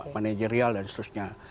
managerial dan seterusnya